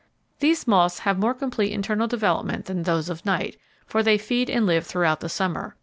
These moths have more complete internal development than those of night, for they feed and live throughout the summer.